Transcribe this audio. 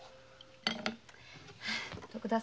徳田様